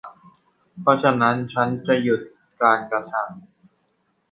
เพราะฉะนั้นฉันจะหยุดการกระทำ